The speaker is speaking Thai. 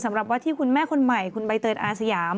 สำหรับว่าที่คุณแม่คนใหม่คุณใบเตยอาสยาม